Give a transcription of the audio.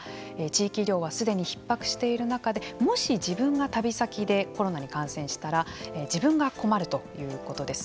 地域医療はすでにひっ迫している中でもし自分が旅先でコロナに感染したら自分が困るということです。